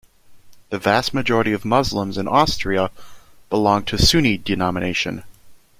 The vast majority of Muslims in Austria belong to Sunni denomination.